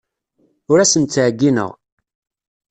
Ur asen-ttɛeyyineɣ.